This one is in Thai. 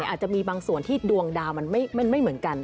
อาจจะมีบางส่วนที่ดวงดาวมันไม่เหมือนกัน